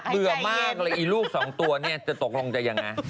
เบื่อมากเลยอีลูกสองตัวเนี่ยจะตกลงจะยังไง